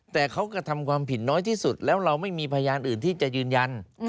แต่เขากระทำความผิดน้อยที่สุดแล้วเราไม่มีพยานอื่นที่จะยืนยัน